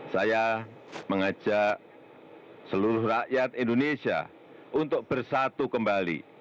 saya mengajak seluruh rakyat indonesia untuk bersatu kembali